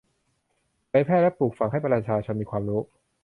เผยแพร่และปลูกฝังให้ประชาชนมีความรู้